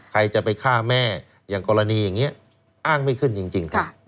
ใครจะไปฆ่าแม่อย่างกรณีอย่างนี้อ้างไม่ขึ้นจริง